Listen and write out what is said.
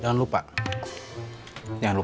bahasa inggris punya steadily producing image